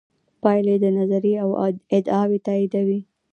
پایلې د نظریې ادعاوې تاییدوي.